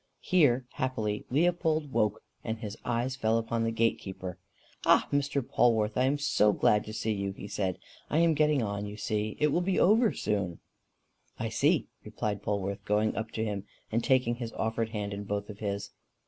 Here happily Leopold woke, and his eyes fell upon the gate keeper. "Ah, Mr. Polwarth! I am so glad to see you!" he said. "I am getting on, you see. It will be over soon." "I see," replied Polwarth, going up to him, and taking his offered hand in both his.